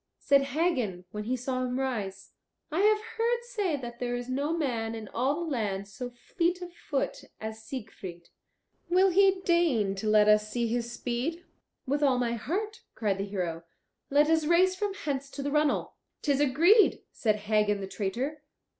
Said Hagen, when he saw him rise, "I have heard say that there is no man in all the land so fleet of foot as Siegfried. Will he deign to let us see his speed?" "With all my heart," cried the hero. "Let us race from hence to the runnel." "'Tis agreed," said Hagen the traitor.